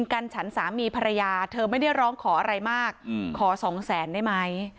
กันฉันสามีภรรยาเธอไม่ได้ร้องขออะไรมากขอสองแสนได้ไหม